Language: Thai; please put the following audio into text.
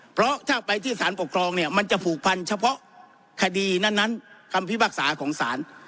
เพราะถ้าไปที่สารปกครองเนี่ยมันจะผูกพันเฉพาะคดีนั้นคำพิพากษาของศาล